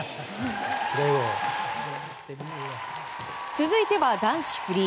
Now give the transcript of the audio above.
続いては男子フリー。